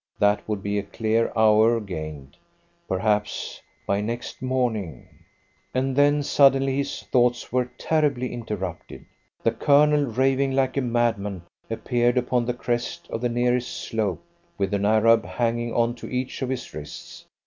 That would be a clear hour gained. Perhaps by next morning And then, suddenly, his thoughts were terribly interrupted. The Colonel, raving like a madman, appeared upon the crest of the nearest slope, with an Arab hanging on to each of his wrists.